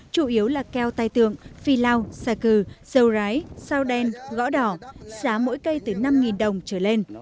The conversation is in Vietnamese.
chủ yếu là keo tai tượng phi lao xà cừ dâu rái sao đen gõ đỏ giá mỗi cây từ năm đồng trở lên